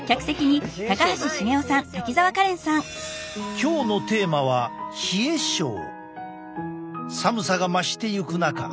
今日のテーマは寒さが増していく中